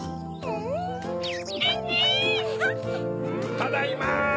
ただいま！